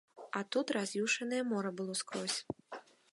А тут раз'юшанае мора было скрозь.